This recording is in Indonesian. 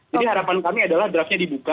jadi harapan kami adalah drafnya dibuka